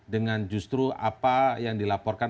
dengan justru apa yang dilaporkan